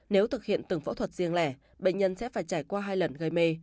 nếu thực hiện từng phẫu thuật riêng lẻ bệnh nhân sẽ phải trải qua hai lần gây mê